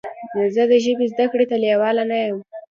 زه د ژبې زده کړې ته لیواله نه یم.